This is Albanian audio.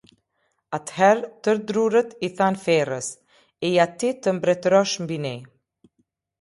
Atëherë tërë drurët i thanë ferrës: "Eja ti të mbretërosh mbi ne".